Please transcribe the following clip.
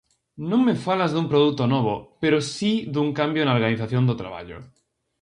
Non me falas dun produto novo, pero si dun cambio na organización do traballo.